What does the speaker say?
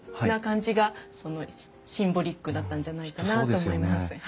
な感じがシンボリックだったんじゃないかなと思います。